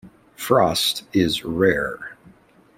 Frost is rare.